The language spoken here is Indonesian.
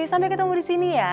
sampai ketemu di sini ya